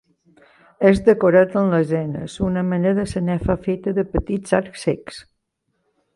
És decorat amb lesenes, una mena de sanefa feta de petits arcs cecs.